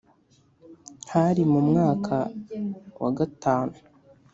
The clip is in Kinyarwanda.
Hari mu mwaka wa gatanu